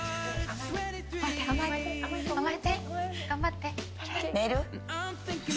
頑張って。